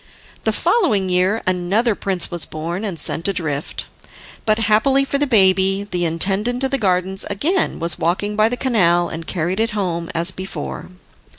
The following year another prince was born and sent adrift, but happily for the baby, the intendant of the gardens again was walking by the canal, and carried it home as before.